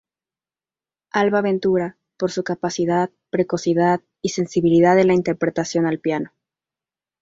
Alba Ventura, por su capacidad, precocidad y sensibilidad en la interpretación al piano.